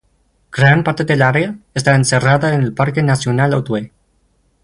Gran parte del área está encerrada en el Parque Nacional Otway.